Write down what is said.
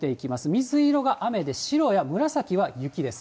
水色が雨で、白や紫は雪です。